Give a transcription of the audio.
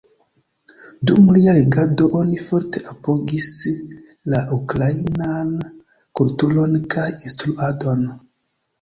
Dum lia regado, oni forte apogis la ukrainan kulturon kaj instruadon.